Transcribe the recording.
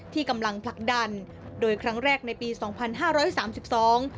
ที่กำลังผลักดันโดยครั้งแรกในปีสองพันห้าร้อยสามสิบสอง